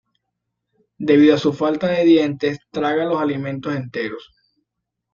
Debido a su falta de dientes, traga los alimentos enteros.